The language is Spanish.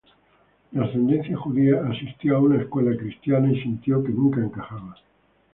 De ascendencia judía, asistió a una escuela cristiana y sintió que nunca encajaba.